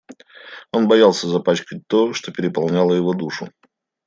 Он боялся запачкать то, что переполняло его душу.